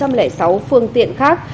một trăm linh sáu phương tiện khác